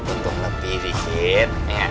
untung lebih dikit